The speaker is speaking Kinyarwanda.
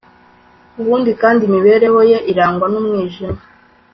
ubundi kandi imibereho ye irangwa n'umwijima